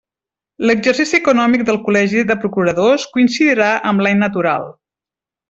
L'exercici econòmic del Col·legi de procuradors coincidirà amb l'any natural.